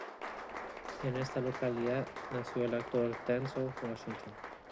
En esta localidad nació el actor Denzel Washington.